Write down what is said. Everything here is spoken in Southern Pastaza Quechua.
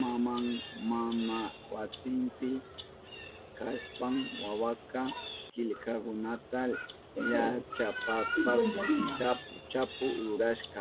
Maman mana wasinpi kashpan wawaka killkakunata llachapatapas chapu chapu rurashka.